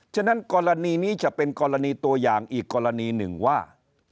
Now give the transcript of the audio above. ฉะนั้นกรณีนี้จะเป็นกรณีตัวอย่างอีกกรณีหนึ่งว่า